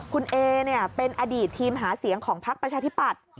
คุณเอเป็นอดีตทีมหาเสียงของพักประชาธิปัตย์